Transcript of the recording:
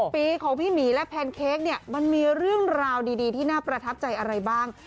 ปีของพี่หมีและแพนเค้กเนี่ยมันมีเรื่องราวดีที่น่าประทับใจอะไรบ้าง